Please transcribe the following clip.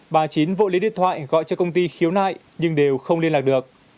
bà chín vợ lấy điện thoại gọi cho công ty khiếu nại nhưng đều không liên lạc được